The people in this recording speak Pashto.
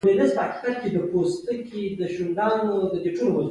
پنسل د نښې اېښودلو لپاره هم استعمالېږي.